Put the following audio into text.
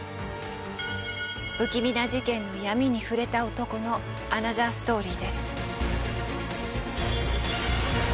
不気味な事件の闇に触れた男のアナザーストーリーです。